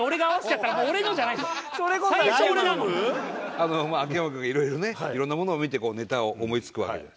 あの秋山君がいろいろねいろんなものを見てこうネタを思いつくわけじゃないですか。